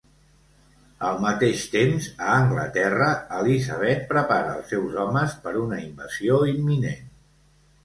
Al mateix temps, a Anglaterra, Elisabet prepara els seus homes per una invasió imminent.